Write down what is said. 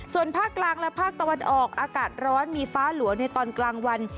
ส่วนภาคกลางและภาคตะวันออกอากาศร้อนมีฟ้าหลัวในตอนกลางวัน